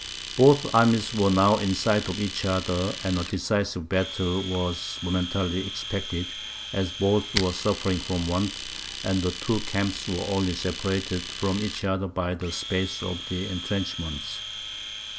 Both armies were now in sight of each other; and a decisive battle was momentarily expected, as both were suffering from want, and the two camps were only separated from each other by the space of the entrenchments.